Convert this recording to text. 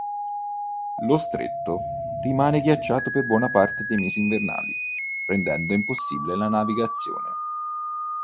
Lo stretto rimane ghiacciato per buona parte dei mesi invernali rendendo impossibile la navigazione.